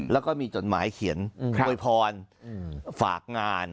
แล้วก็มีจดหมายเขียนอวยพรฝากงาน